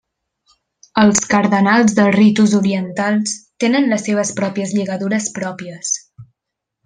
Els cardenals de ritus orientals tenen les seves pròpies lligadures pròpies.